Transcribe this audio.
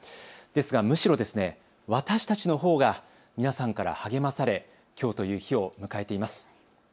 ですが、むしろ私たちのほうが皆さんから励まされ、きょうという日を迎えています。